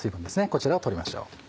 こちらを取りましょう。